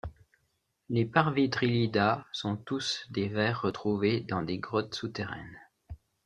Les Parvidrilidae sont tous des vers retrouvés dans des grottes souterraines.